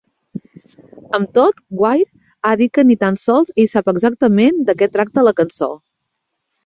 Amb tot, Wire ha dit que ni tan sols ell sap exactament de què tracta la cançó.